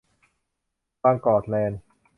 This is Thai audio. บางกอกแลนด์